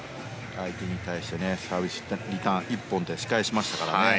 相手に対してサービスリターン、一本でし返しましたからね。